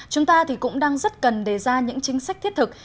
chúng ta thì cũng đang rất cần đề ra những chính sách thiết thực